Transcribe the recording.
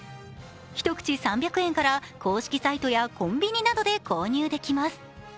一口３００円から公式サイトやコンビニなどで購入できます。